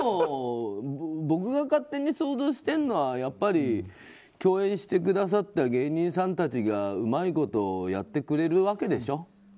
僕が勝手に想像してるのは共演してくださった芸人さんたちがうまいことやってくれるわけでしょ。